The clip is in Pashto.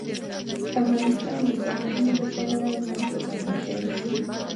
افغانستان د سرحدونه د پلوه ځانته ځانګړتیا لري.